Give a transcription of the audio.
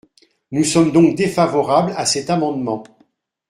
Nous sommes donc défavorables à cet amendement.